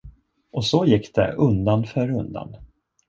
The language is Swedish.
Och så gick det undan för undan.